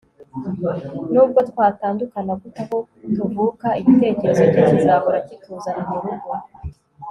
nubwo twatandukana gute aho tuvuka, igitekerezo cye kizahora kituzana murugo